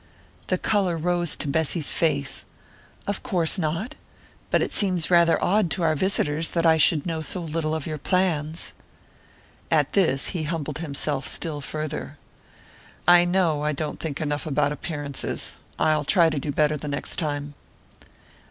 The colour rose to Bessy's face. "Of course not. But it must seem rather odd to our visitors that I should know so little of your plans." At this he humbled himself still farther. "I know I don't think enough about appearances I'll try to do better the next time."